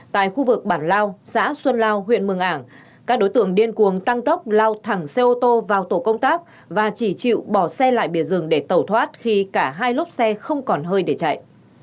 tại khu vực bản lao xã xuân lao huyện mường ảng các đối tượng điên cuồng tăng tốc lao thẳng xe ô tô vào tổ công tác và chỉ chịu bỏ xe lại bìa rừng để tẩu thoát khi cả hai lốp xe không còn hơi để chạy